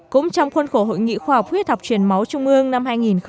cũng trong khuôn khổ hội nghị khoa học huyết học truyền máu trung ương năm hai nghìn một mươi chín